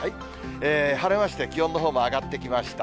晴れまして、気温のほうも上がってきました。